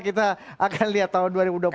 kita akan lihat tahun dua ribu dua puluh empat